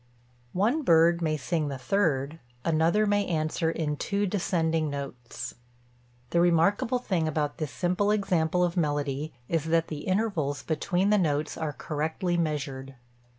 One bird may sing the third; another may answer in two descending notes. The remarkable thing about this simple example of melody is that the intervals between the notes are correctly measured.